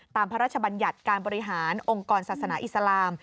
พระราชบัญญัติการบริหารองค์กรศาสนาอิสลาม